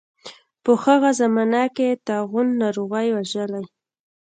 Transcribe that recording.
په هغه زمانه کې طاعون ناروغۍ وژلي.